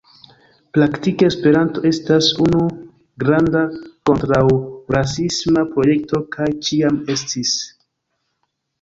Praktike Esperanto estas unu granda kontraŭrasisma projekto kaj ĉiam estis.